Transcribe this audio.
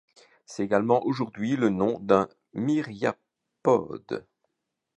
C'est également aujourd'hui le nom d'un myriapode.